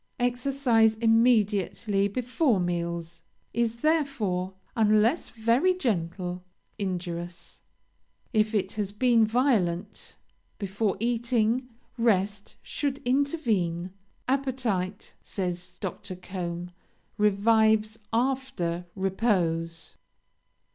Exercise immediately before meals is therefore, unless very gentle, injurious; if it has been violent, before eating rest should intervene. 'Appetite,' says Dr. Combe, 'revives after repose.'